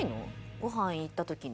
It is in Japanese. ごはん行った時に。